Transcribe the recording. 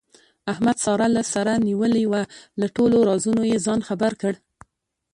احمد ساره له سره نیولې وه، له ټولو رازونو یې ځان خبر کړ.